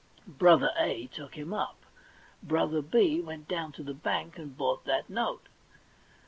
Brother A took him up. Brother B went down to the Bank and bought that note.